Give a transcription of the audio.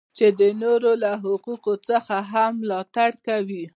چې د نورو له حقوقو څخه هم ملاتړ کوي.